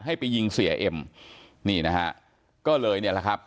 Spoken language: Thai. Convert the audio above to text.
ให้ไปยิงเสียเอ็มนี่นะฮะก็เลยเนี่ยแหละครับ